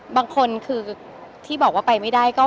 บางคนคือที่บอกว่าไปไม่ได้ก็